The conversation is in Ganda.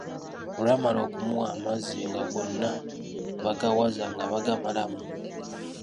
Olwamala okumuwa amazzi nga gonna bagawaza nga bagamalamu.